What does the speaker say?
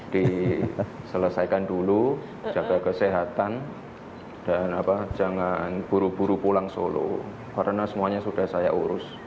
diselesaikan dulu jaga kesehatan dan jangan buru buru pulang solo karena semuanya sudah saya urus